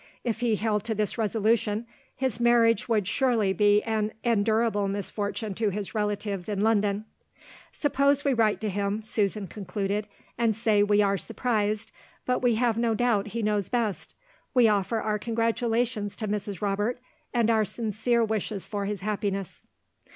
If he held to this resolution, his marriage would surely be an endurable misfortune to his relatives in London. "Suppose we write to him," Susan concluded, "and say we are surprised, but we have no doubt he knows best. We offer our congratulations to Mrs. Robert, and our sincere wishes for his happiness."